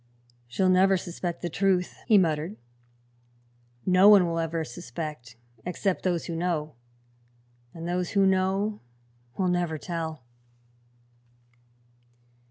"She'll never suspect the truth," he muttered. "No one will ever suspect, except those who know; and those who know will never tell."